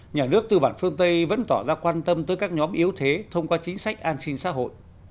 nhà nước tư bản phương tây vẫn tỏ ra quan tâm tới các nhóm yếu thế thông qua chính sách an sinh xã hội